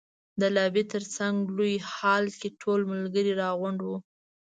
د لابي تر څنګ لوی هال کې ټول ملګري را غونډ وو.